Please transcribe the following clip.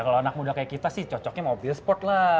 kalau anak muda kayak kita sih cocoknya mobil sport lah